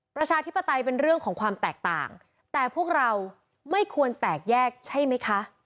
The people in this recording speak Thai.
ประชาธิปไตยเป็นเรื่องของความแตกต่างแต่พวกเราไม่ควรแตกแยกใช่ไหมคะ